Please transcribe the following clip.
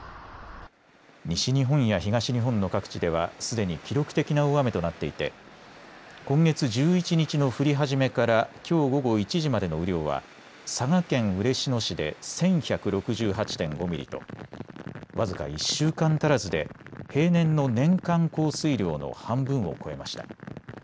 西日本や東日本の各地ではすでに記録的な大雨となっていて今月１１日の降り始めからきょう午後１時までの雨量は佐賀県嬉野市で１１６８．５ミリと僅か１週間足らずで平年の年間降水量の半分を超えました。